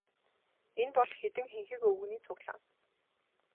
Энэ бол хэдэн хэнхэг өвгөний цуглаан.